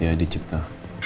ya di cipta